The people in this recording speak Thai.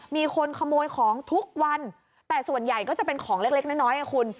มีคนขโมยของทุกวันแต่ส่วนใหญ่ก็จะเป็นของเล็กเล็กน้อยอ่ะคุณ